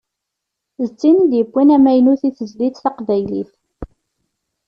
D tin i d-yewwin amaynut i tezlit taqbaylit.